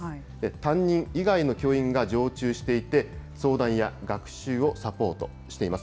担任以外の教員が常駐していて、相談や学習をサポートしています。